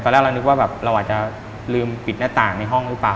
แรกเรานึกว่าแบบเราอาจจะลืมปิดหน้าต่างในห้องหรือเปล่า